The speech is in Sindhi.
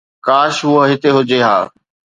ڪاش هوءَ هتي هجي